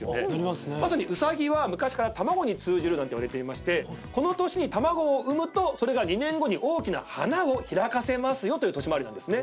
まさにウサギは昔から卵に通じるなんていわれてましてこの年に卵を産むとそれが２年後に大きな花を開かせますよという年回りなんですね。